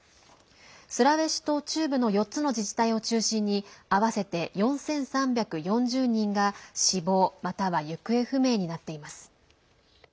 スラウェシ島中部の４つの自治体を中心に合わせて４３４０人が死亡または行方不明になっています。